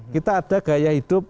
kita ada gaya hidup